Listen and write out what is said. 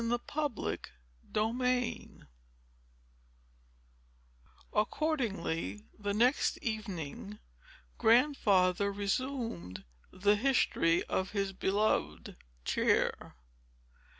Chapter IV Accordingly the next evening, Grandfather resumed the history of his beloved chair.